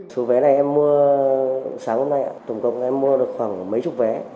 số vé này em mua sáng hôm nay tổng công em mua được khoảng mấy chục vé